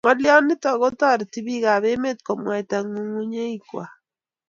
ngolyo nitok ko tareti piik ab emet ko mwaita kanguyngunyik kwai